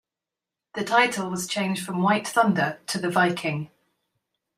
The title was changed from "White Thunder" to "The Viking".